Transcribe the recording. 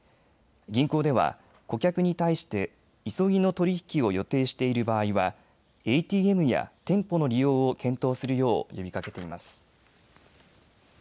銀行では顧客に対して急ぎの取り引きを予定している場合はＡＴＭや店舗の利用を検討するよう呼びかけています。